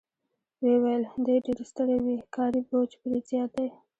ویې ویل: دی ډېر ستړی وي، کاري بوج پرې زیات دی.